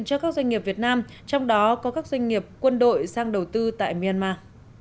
cho các doanh nghiệp việt nam trong đó có các doanh nghiệp quân đội sang đầu tư tại myanmar